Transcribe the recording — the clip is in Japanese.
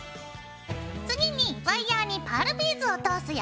次にワイヤーにパールビーズを通すよ。